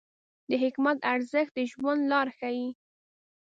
د حکمت ارزښت د ژوند لار ښیي.